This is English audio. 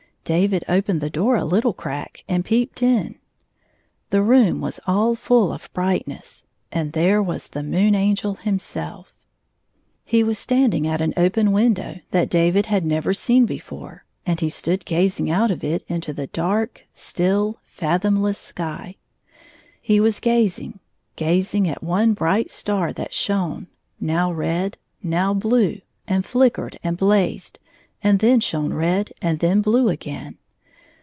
David opened the door a little crack and peeped in. The room was all ftiU of brightness, and there was the Moon Angel himself. 67 He was standing at an open window that David had never seen hefore, and he stood gazing out of it into the dark, still, fathomless sky. He was gaz ing, gazing at one bright star that shone, now red, now blue, and flickered and blazed, and then shone red and then blue again.